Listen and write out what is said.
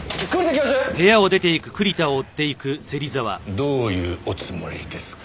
どういうおつもりですか？